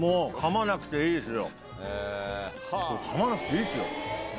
噛まなくていいです。